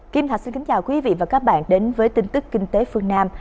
kim thạch xin kính chào quý vị và các bạn đến với tin tức kinh tế phương nam